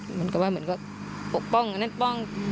เหมือนกับว่าป้องเดินป้อง